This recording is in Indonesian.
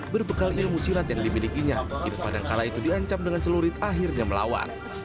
berbekal ilmu silat yang dimilikinya irfan yang kala itu diancam dengan celurit akhirnya melawan